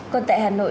còn tại hà nội